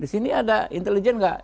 disini ada intelijen nggak